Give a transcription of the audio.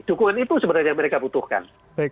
dukungan itu sebenarnya mereka butuhkan